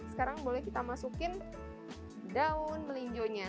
sekarang boleh kita masukin daun melinjonya